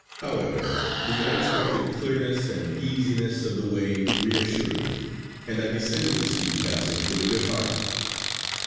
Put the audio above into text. However, the unexpected clearness and easiness of the way reassured me; and I descended the steep passage with a good heart.